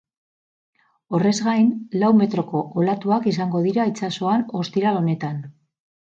Horrez gain, lau metroko olatuak izango dira itsasoan ostiral honetan.